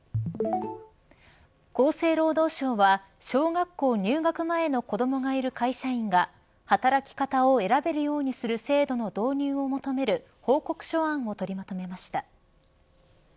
厚生労働省は小学校入学前の子どもがいる会社員が働き方を選べるようにする制度の導入を求める報告書案を取りまとめました。